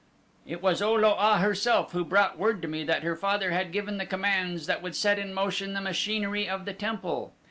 "It was O lo a herself who brought word to me that her father had given the commands that would set in motion the machinery of the temple.